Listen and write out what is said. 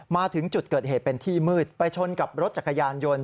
มาถึงจุดเกิดเหตุเป็นที่มืดไปชนกับรถจักรยานยนต์